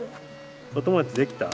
お友達できた？